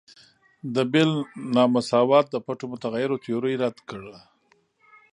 د بیل نا مساوات د پټو متغیرو تیوري رد کړه.